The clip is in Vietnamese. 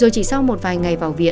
rồi chỉ sau một vài ngày vào viện